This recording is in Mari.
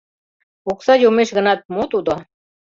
Окса йомеш гынат, мо тудо?